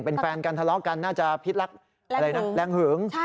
เป็นแฟนกันทะเลาะกันน่าจะพิษลักษณ์แหลงหึง